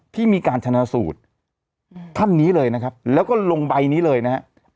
ที่มีการชนะสูตรท่านนี้เลยนะครับแล้วก็ลงใบนี้เลยนะครับ